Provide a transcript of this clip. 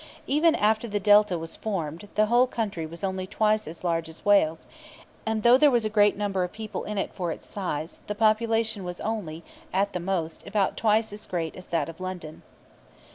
Even after the Delta was formed, the whole country was only about twice as large as Wales, and, though there was a great number of people in it for its size, the population was only, at the most, about twice as great as that of London.